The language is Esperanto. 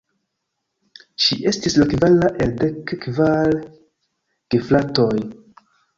Ŝi estis la kvara el dek kvar gefratoj.